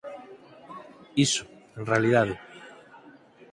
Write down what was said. Iso, en realidade.